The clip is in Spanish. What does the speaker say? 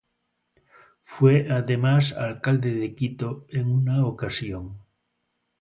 Fue además Alcalde de Quito en una ocasión.